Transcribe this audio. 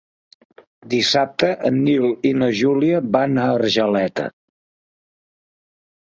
Dissabte en Nil i na Júlia van a Argeleta.